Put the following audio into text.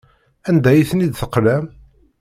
Anda ay ten-id-teqlam?